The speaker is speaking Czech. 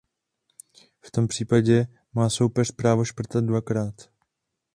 V tom případě má soupeř právo šprtat dvakrát.